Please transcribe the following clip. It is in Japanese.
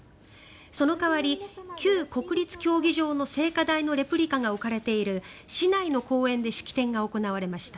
その代わり、旧国立競技場の聖火台のレプリカが置かれている市内の公園で式典が行われました。